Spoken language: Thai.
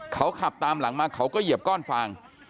เขาขับตามหลังมาเขาก็เหยียบก้อนฟาง